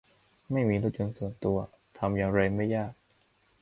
ไม่มีรถยนต์ส่วนตัวทำอย่างไรไม่ยาก